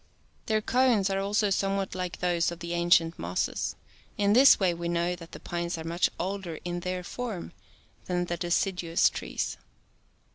86 Their cones are also somewhat like those of the ancient mosses. In this way we know that the pines are much older in their form than the de ciduous trees.